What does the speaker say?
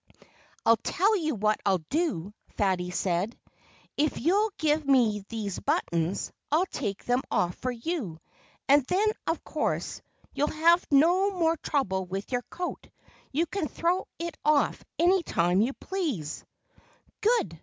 "I'll tell you what I'll do!" Fatty said. "If you'll give me these buttons, I'll take them off for you. And then, of course, you'll have no more trouble with your coat. You can throw it off any time you please." "Good!"